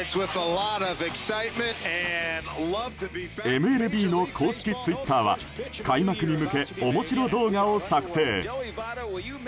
ＭＬＢの公式ツイッターは開幕に向け、面白動画を作成。